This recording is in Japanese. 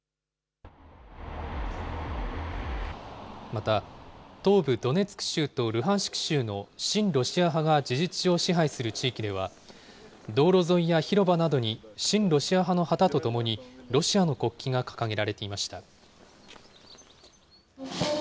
また、東部ドネツク州とルハンシク州の親ロシア派が事実上支配する地域では、道路沿いや広場などに親ロシア派の旗とともに、ロシアの国旗が掲げられていました。